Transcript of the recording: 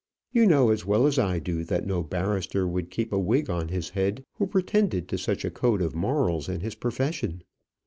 You know as well as I do that no barrister would keep a wig on his head who pretended to such a code of morals in his profession.